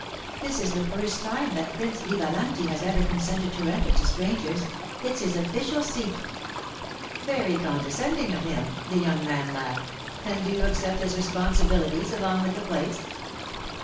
This is the first time that Prince Vivalanti has ever consented to rent it to strangers; it's his official seat.' 'Very condescending of him,' the young man laughed; 'and do you accept his responsibilities along with the place?